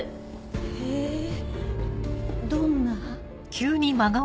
へぇどんな？